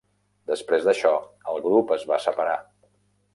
Després d'això, el grup es va separar.